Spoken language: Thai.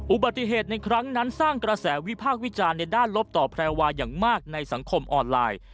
อุบัติเหตุในครั้งนั้นสร้างกระแสวิพากษ์วิจารณ์ในด้านลบต่อแพรวาอย่างมากในสังคมออนไลน์